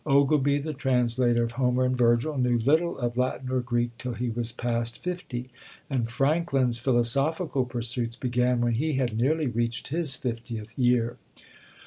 Ogilby, the translator of Homer and Virgil, knew little of Latin or Greek till he was past fifty; and Franklin's philosophical pursuits began when he had nearly reached his fiftieth year.